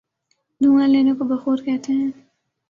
دھواں لینے کو بخور کہتے ہیں۔